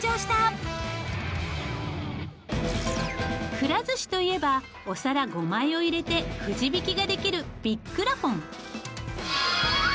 くら寿司といえばお皿５枚を入れてくじ引きができる「ビッくらポン！」。